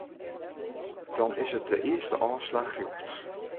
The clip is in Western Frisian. Dan is it de earste ôfslach rjochts.